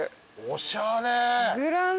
おしゃれ。